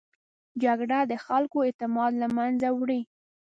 جګړه د خلکو اعتماد له منځه وړي